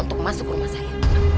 untuk masuk rumah saya